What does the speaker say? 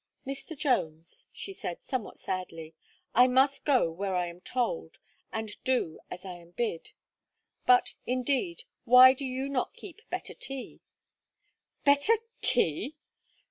"Mr. Jones," she said, somewhat sadly, "I must go where I am told, and do as I am bid; but, indeed, why do you not keep better tea?" "Better tea!